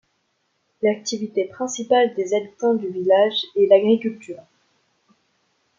L'activité principale des habitants du village est l'agriculture.